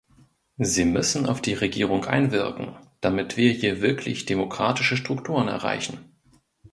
Sie müssen auf die Regierung einwirken, damit wir hier wirklich demokratische Strukturen erreichen.